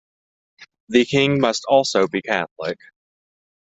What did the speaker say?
The king must also be Catholic.